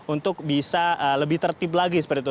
untuk bisa lebih tertib lagi seperti itu